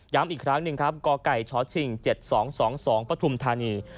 อีกครั้งหนึ่งครับกไก่ชชิง๗๒๒๒ปฐุมธานี